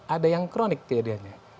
ada yang kronik kejadiannya